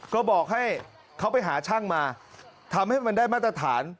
ก็บอกให้เขาไปหาช่างมาทำให้มันได้มาตรฐาน